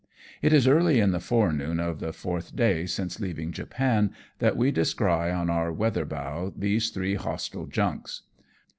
It is early in the forenoon of the fourth day since leaving Japan, that we descry on our weatherbow these three hostile junks.